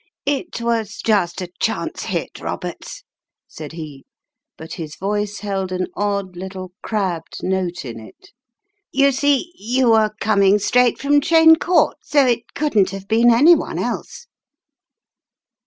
"It was just a chance hit, Roberts," said he, but his voice held an odd little crabbed note in it. "You see, you were coming straight from Cheyne Court, so it couldn't have been any one else."